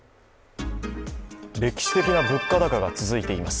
歴史的な物価高が続いています。